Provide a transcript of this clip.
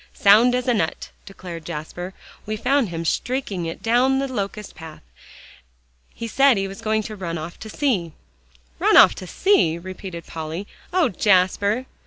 "Sound as a nut," declared Jasper; "we found him streaking it down the locust path; he said he was going to run off to sea." "Run off to sea!" repeated Polly. "Oh, Jasper!"